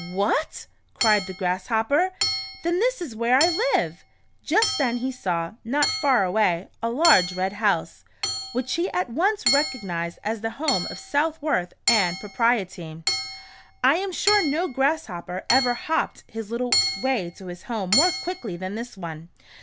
"What!" cried the Grasshopper, "then this is where I live." Just then he saw, not far away, a large red house, which he at once recognized as the home of Southworth and Propriety. I am sure no grasshopper ever hopped his little way to his home more quickly than this one.